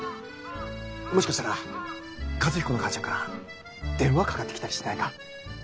もしかしたら和彦の母ちゃんから電話かかってきたりしてないか？